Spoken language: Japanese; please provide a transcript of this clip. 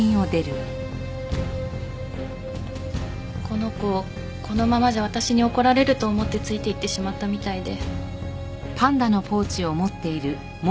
この子このままじゃ私に怒られると思ってついていってしまったみたいで。